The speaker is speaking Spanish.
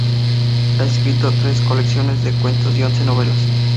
Ha escrito tres colecciones de cuentos y once novelas.